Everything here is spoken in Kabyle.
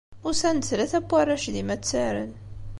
Usan-d tlata n warrac d imattaren.